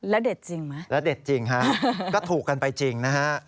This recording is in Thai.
แล้วเด็ดจริงไหมแล้วเด็ดจริงฮะก็ถูกกันไปจริงนะฮะ